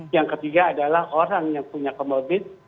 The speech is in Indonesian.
yang ketiga adalah orang yang punya comorbid